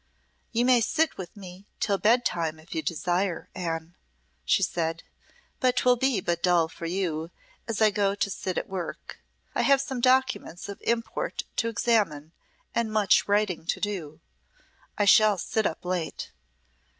"You may sit with me till bedtime if you desire, Anne," she said; "but 'twill be but dull for you, as I go to sit at work. I have some documents of import to examine and much writing to do. I shall sit up late."